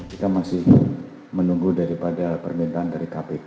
kita masih menunggu daripada permintaan dari kpk